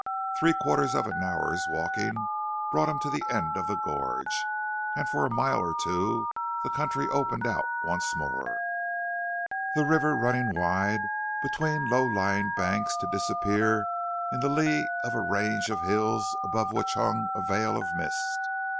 Three quarters of an hour's walking brought him to the end of the gorge, and for a mile or two the country opened out once more, the river running wide between low lying banks to disappear in the lee of a range of hills above which hung a veil of mist.